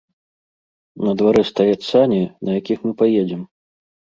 На дварэ стаяць сані, на якіх мы паедзем.